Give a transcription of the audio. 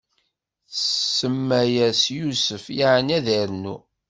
Tsemma-yas Yusef, yeɛni ad d-irnu.